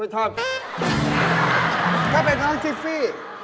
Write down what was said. ถ้าเป็นหลอกชิบฟรี่